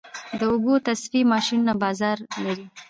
د اوبو تصفیې ماشینونه بازار لري؟